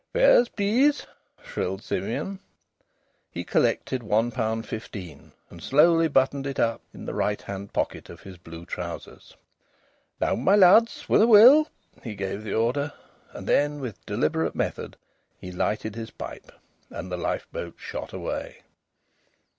"Fares, please!" shrilled Simeon. He collected one pound fifteen, and slowly buttoned it up in the right hand pocket of his blue trousers. "Now, my lads, with a will," he gave the order. And then, with deliberate method, he lighted his pipe. And the lifeboat shot away.